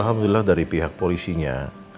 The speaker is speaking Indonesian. alhamdulillah dari pihak polisinya